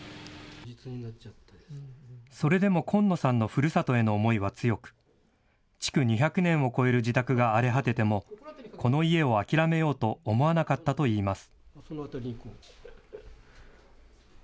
それでも紺野さんのふるさとへの思いは強く、築２００年を超える自宅が荒れ果てても、この家を諦めようと思わなかったといいます。